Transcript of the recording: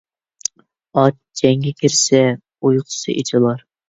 ئات جەڭگە كىرسە ئۇيقۇسى ئېچىلار.